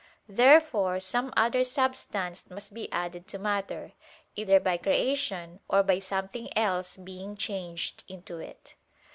Therefore some other substance must be added to matter, either by creation, or by something else being changed into it.